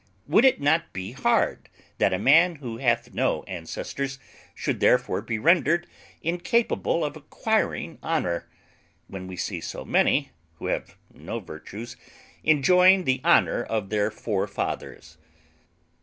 Would it not be hard that a man who hath no ancestors should therefore be rendered incapable of acquiring honour; when we see so many who have no virtues enjoying the honour of their forefathers?